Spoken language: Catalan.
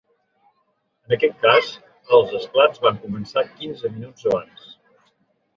En aquest cas, els esclats van començar quinze minuts abans.